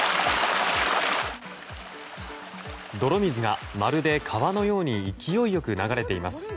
泥水がまるで川のように勢いよく流れています。